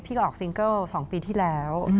หลอกซิงเกิล๒ปีที่แล้ว